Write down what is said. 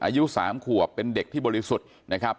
อายุ๓ขวบเป็นเด็กที่บริสุทธิ์นะครับ